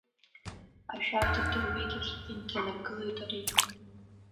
Ашәарҭа дырҩагьых инҭанаргылеит ари.